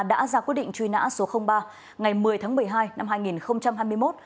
đã ra quyết định truy nã số ba ngày một mươi tháng một mươi hai năm hai nghìn hai mươi một